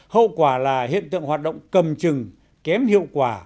hậu quả là hiện tượng hoạt động cầm chừng kém hiệu quả